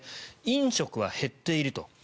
飲食は減っていると。